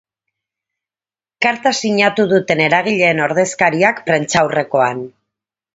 Karta sinatu duten eragileen ordezkariak, prentsaurrekoan.